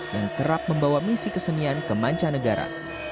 yang kerap membawa misi kesenian ke manca negara